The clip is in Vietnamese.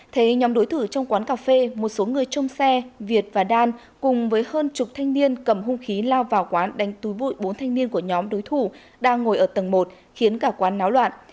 thấy nhóm đối thủ trong quán cà phê một số người trong xe việt và đan cùng với hơn chục thanh niên cầm hung khí lao vào quán đánh túi vội bốn thanh niên của nhóm đối thủ đang ngồi ở tầng một khiến cả quán náo loạn